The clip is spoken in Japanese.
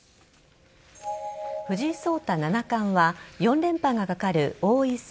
藤井聡太七冠は４連覇が懸かる王位戦